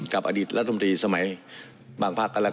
กับอดีตและธรรมดีสมัยบางภาคกันแล้วกัน